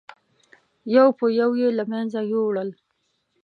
یو په یو یې له منځه یووړل.